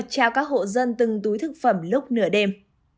trao các hộ dân từng túi thức phẩm lúc nửa đêm